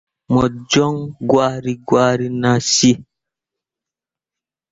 Mo joŋ gwari gwari nah cii.